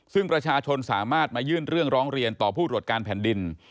ซึ่งประชาชนสามารถมายื่นเรื่องร้องเรียนต่อผู้ตรวจการแผ่นดิน